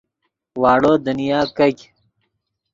واڑو دنیا کیګ